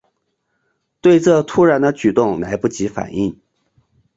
对这突然的举动来不及反应